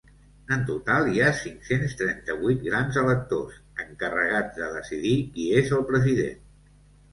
En total hi ha cinc-cents trenta-vuit grans electors, encarregats de decidir qui és el president.